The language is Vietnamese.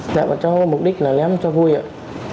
đã bỏ cho mục đích là ném cho vui ạ